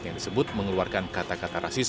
yang disebut mengeluarkan kata kata rasis